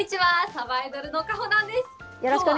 さばいどるのかほなんです。